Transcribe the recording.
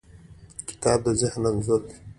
کتاب د ذهن انځور دی.